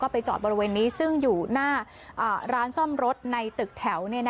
ไปจอดบริเวณนี้ซึ่งอยู่หน้าร้านซ่อมรถในตึกแถว